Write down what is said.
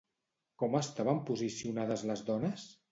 Com estaven posicionades les dones?